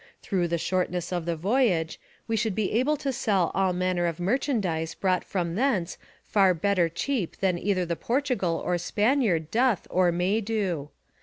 Through the shortness of the voyage, we should be able to sell all manner of merchandise brought from thence far better cheap than either the Portugal or Spaniard doth or may do.